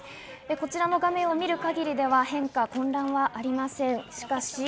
こちらの画面を見る限りでは変化や混乱はありません。